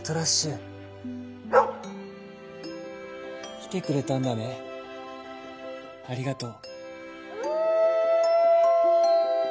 「きてくれたんだね！ありがとう」。